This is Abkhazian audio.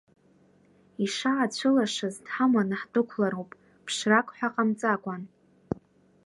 Ишаацәылашаз дҳаманы ҳдәықәлароуп, ԥшрак ҳәа ҟамҵакәан.